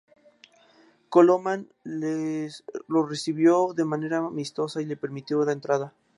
Colomán los recibió de manera amistosa y les permitió la entrada.